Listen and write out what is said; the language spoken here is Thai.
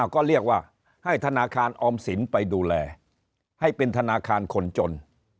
ก็เรียกว่าให้ธนาคารออมสินไปดูแลให้เป็นธนาคารคนจน